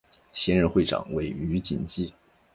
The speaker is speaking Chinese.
现任会长为余锦基。